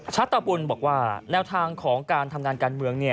ชัตบุญบอกว่าแนวทางของการทำงานการเมือง